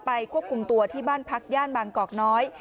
ควบคุมตัวที่บ้านพักย่านบางกอกน้อย